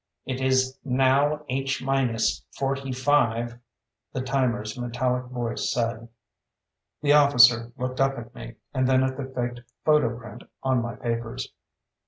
"It is now H minus forty five," the timer's metallic voice said. The officer looked up at me, and then at the faked photoprint on my papers.